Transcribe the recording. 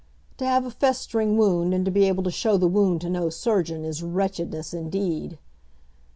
To have a festering wound and to be able to show the wound to no surgeon, is wretchedness indeed!